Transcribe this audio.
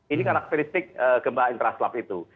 ini karakteristik gempa interaslap itu